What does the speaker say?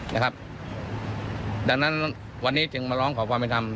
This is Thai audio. นะครับดังนั้นวันนี้จึงมาร้องขอบพลังประอินทรรม